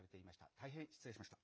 大変失礼しました。